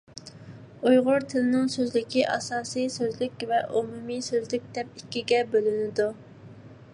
ئۇيغۇر تىلىنىڭ سۆزلۈكى ئاساسىي سۆزلۈك ۋە ئومۇمىي سۆزلۈك دەپ ئىككىگە بۆلۈنىدۇ.